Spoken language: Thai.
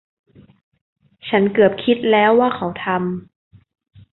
ฉันเกือบคิดแล้วว่าเขาทำ